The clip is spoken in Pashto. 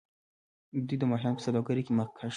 دوی د ماهیانو په سوداګرۍ کې مخکښ دي.